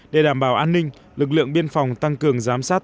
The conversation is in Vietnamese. để đảm bảo an ninh lực lượng biên phòng tăng cường giám sát